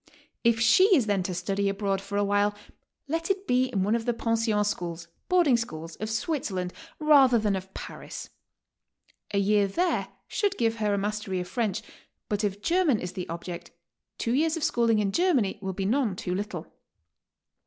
If she is then to study abroad for a while, let it be in one of the pension schools (boarding schools) of Switzerland rather than of Paris. A year there should give her a mastery of French, but if German is the object, two years of schooling in Germany will be none too little.